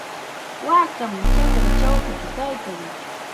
Waakam chakra chawpinchaw kaykan.